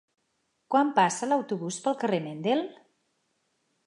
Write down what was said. Quan passa l'autobús pel carrer Mendel?